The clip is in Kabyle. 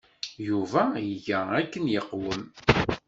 Yuba iga akken yeqwem.